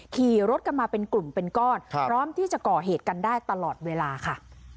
ขี่รถกันมาเป็นกลุ่มเป็นก้อนพร้อมที่จะก่อเหตุกันได้ตลอดเวลาค่ะ